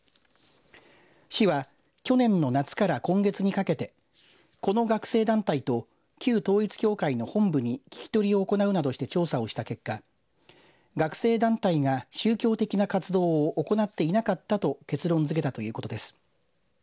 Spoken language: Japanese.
市は去年の夏から今月にかけてこの学生団体と旧統一教会の本部に聞き取りを行うなどして調査をした結果学生団体が宗教的な活動を行っていなかったと結論づけたということです。